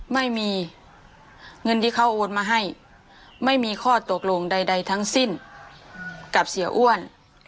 ไม่มีเงินที่เขาโอนมาให้ไม่มีข้อตกลงใดทั้งสิ้นกับเสียอ้วน